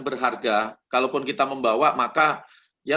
berharga kalaupun kita membawa maka ya